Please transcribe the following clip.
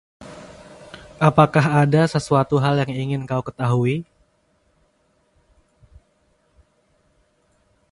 Apakah ada sesuatu hal yang ingin kau ketahui?